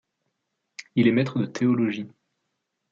Il est maître de théologie.